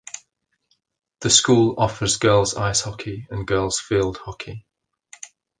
The school offers girls' ice hockey and girls' field hockey.